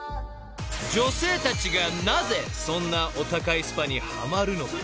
［女性たちがなぜそんなお高いスパにはまるのか］